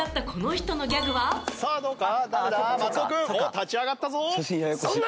立ち上がったぞ。